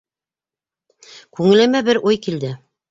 Күңелемә бер уй килде.